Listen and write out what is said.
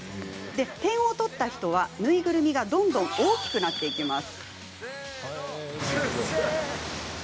点を取った人は、縫いぐるみがどんどん大きくなっていきます。